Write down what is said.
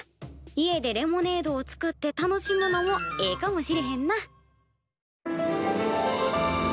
家でレモネードを作って楽しむのもええかもしれへんな。